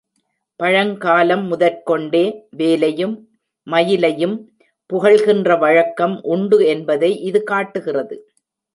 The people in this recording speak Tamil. பழங் காலம் முதற்கொண்டே வேலையும், மயிலையும் புகழ்கின்ற வழக்கம் உண்டு என்பதை இது காட்டுகிறது.